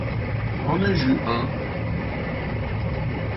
En ai-je eu un ?